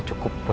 udah cukup betah